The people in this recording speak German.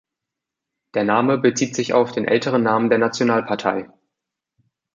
Der Name bezieht sich auf den älteren Namen der Nationalpartei.